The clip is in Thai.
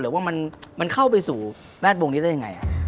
หรือว่ามันเข้าไปสู่แวดวงนี้ได้ยังไง